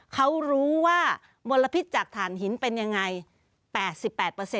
เขารู้ว่ามลพิษจากฐานหินเป็นยังไง๘๘